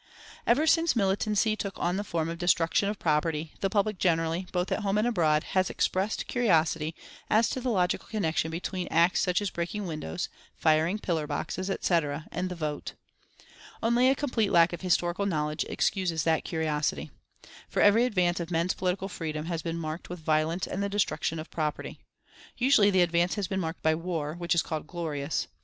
Ever since militancy took on the form of destruction of property the public generally, both at home and abroad, has expressed curiosity as to the logical connection between acts such as breaking windows, firing pillar boxes, et cetera, and the vote. Only a complete lack of historical knowledge excuses that curiosity. For every advance of men's political freedom has been marked with violence and the destruction of property. Usually the advance has been marked by war, which is called glorious.